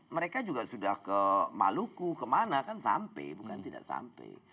mereka juga sudah ke maluku kemana kan sampai bukan tidak sampai